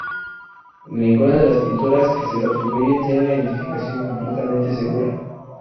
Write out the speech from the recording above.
Ninguna de las pinturas que se le atribuyen tiene una identificación completamente segura.